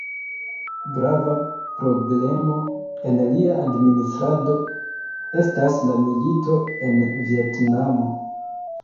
Grava problemo en lia administrado estas la milito en Vjetnamo.